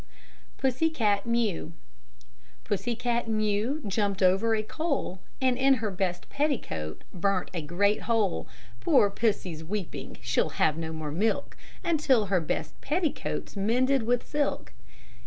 PUSSY CAT MEW Pussy cat Mew jumped over a coal, And in her best petticoat burnt a great hole. Poor Pussy's weeping, she'll have no more milk Until her best petticoat's mended with silk.